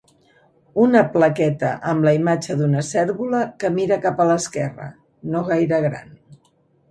Una plaqueta amb la imatge d'una cérvola que mira cap a l'esquerra, no gaire gran.